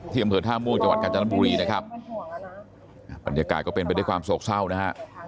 อำเภอท่าม่วงจังหวัดกาญจนบุรีนะครับบรรยากาศก็เป็นไปด้วยความโศกเศร้านะฮะ